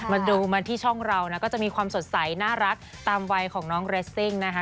มาดูมาที่ช่องเรานะก็จะมีความสดใสน่ารักตามวัยของน้องเรสซิ่งนะคะ